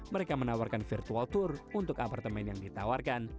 mereka menawarkan virtual tour untuk apartemen yang ditawarkan